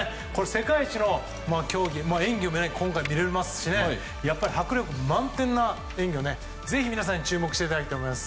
世界一の演技を今回見れますしやっぱり、迫力満点な演技をぜひ皆さんに注目していただきたいと思います。